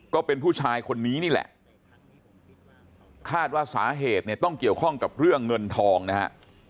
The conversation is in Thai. ก็เป็นผู้ชายคนนี้นี่แหละคาดว่าสาเหตุเนี่ยต้องเกี่ยวข้องกับเรื่องเงินทองนะฮะ